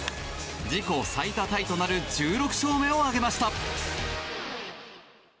自己最多タイとなる１６勝目を挙げました。